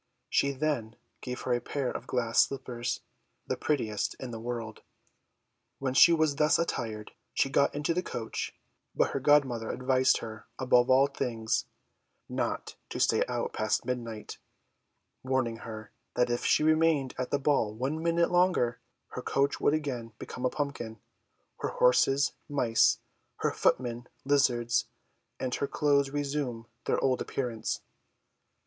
She then gave her a pair of glass slippers, the prettiest in the world. When she was thus attired, she got into the coach; but her godmother advised her, above all things, not to stay out past midnight warning her, that if she remained at the ball one minute longer, her coach would again become a pumpkin; her horses, mice; her footmen, lizards; and her clothes resume their old appearance.